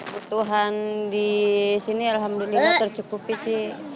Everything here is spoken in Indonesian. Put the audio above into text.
butuhan di sini alhamdulillah tercukupi sih